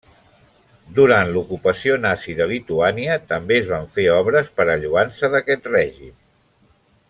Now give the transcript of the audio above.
Durant l'ocupació nazi de Lituània, també es van fer obres per a lloança d'aquest règim.